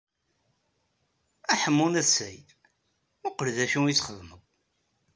A Ḥemmu n At Sɛid, muqel d acu i txedmeḍ?